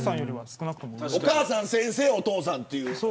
お母さん、先生お父さんという。